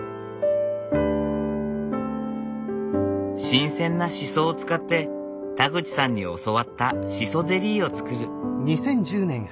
新鮮なシソを使って田口さんに教わったシソゼリーを作る。